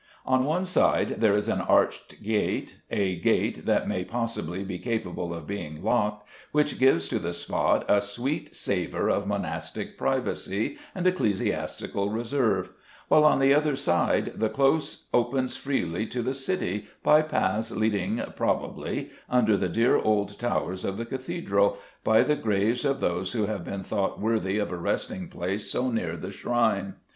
On one side there is an arched gate, a gate that may possibly be capable of being locked, which gives to the spot a sweet savour of monastic privacy and ecclesiastical reserve; while on the other side the close opens itself freely to the city by paths leading, probably, under the dear old towers of the cathedral, by the graves of those who have been thought worthy of a resting place so near the shrine.